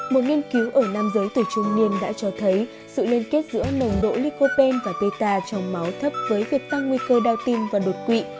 một nghiên cứu ở nam giới từ trung niên đã cho thấy sự liên kết giữa nồng độ nicopen và peta trong máu thấp với việc tăng nguy cơ đau tim và đột quỵ